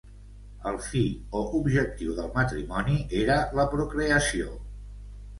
El fi o objectiu del matrimoni era la procreació.